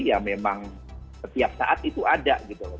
ya memang setiap saat itu ada gitu loh